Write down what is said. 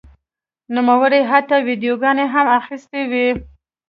نوموړي حتی ویډیوګانې هم اخیستې وې.